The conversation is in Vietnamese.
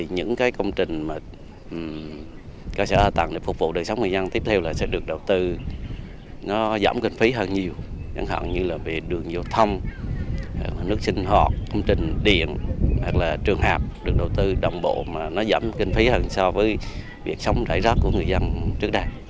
nước sinh hoạt công trình điện trường hạp được đầu tư đồng bộ mà nó giảm kinh phí hơn so với việc sống rải rác của người dân trước đây